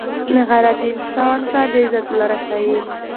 غیرت انسان ته د عزت لاره ښيي